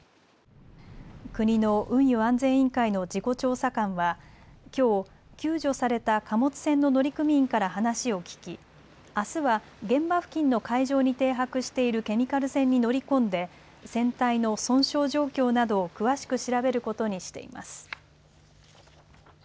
国の運輸安全委員会の事故調査官はきょう救助された貨物船の乗組員から話を聞きあすは現場付近の海上に停泊しているケミカル船に乗り込んで船体の損傷状況などを詳しく調べることにしています。